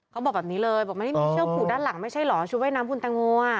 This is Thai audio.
เขาบอกแบบนี้เลยบอกไม่ได้มีเชือกผูกด้านหลังไม่ใช่เหรอชุดว่ายน้ำคุณแตงโม